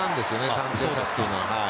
３点差というのは。